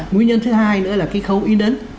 nguyên nhân thứ hai nữa là cái khấu y nấn